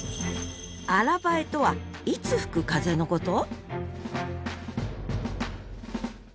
「新南風」とはいつ吹く風のこと？